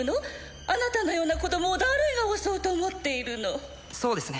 あなたのような子供を誰が襲うと思っているのそうですね